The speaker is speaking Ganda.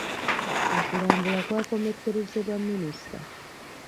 Okulambula kwakomekkerezebwa minisita.